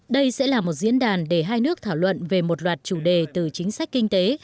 đây sẽ là một diễn đàn để hai nước thảo luận về một loạt chủ đề từ chính sách kinh tế